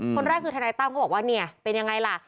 คนแรกคือทนายตั้มเขาบอกว่าเนี่ยเป็นยังไงล่ะ